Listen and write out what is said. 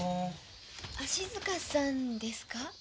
足塚さんですか？